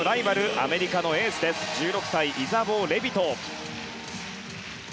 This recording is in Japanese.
アメリカのエース、１６歳イザボー・レビト。